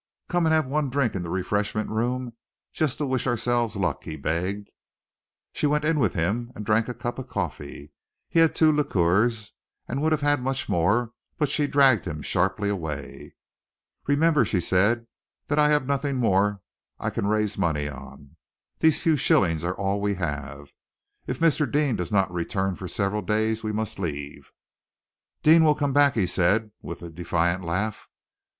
"Come and have one drink in the refreshment room, just to wish ourselves luck," he begged. She went in with him and drank a cup of coffee. He had two liqueurs, and would have had more, but she dragged him sharply away. "Remember," she said, "that I have nothing more I can raise money on. These few shillings are all we have. If Mr. Deane does not return for several days, we must leave." "Deane will come back," he said, with a defiant laugh.